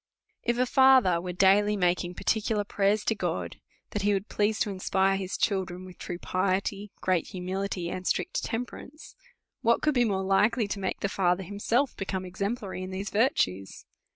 If a father was daily making particular prayers to God, that he would please to in spire his children with true piety, great humility, and strict temperance, what could be more likely to make the father himself become exemplary in these virtues?